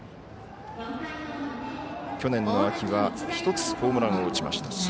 去年の秋は１つホームランを打ちました。